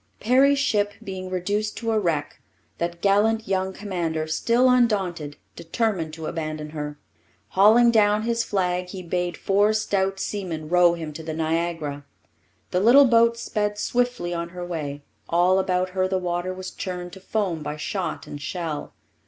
Perry's ship being reduced to a wreck, that gallant young commander, still undaunted, determined to abandon her. Hauling down his flag, he bade four stout seamen row him to the Niagara. The little boat sped swiftly on her way; all about her the water was churned to foam by shot and shell.